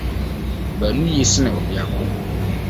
Baanu Ye Sen Obiako